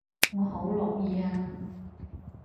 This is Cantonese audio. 我好樂意啊